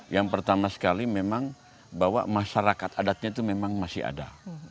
yang pertama sekali memang bahwa masyarakat adatnya itu memang masih ada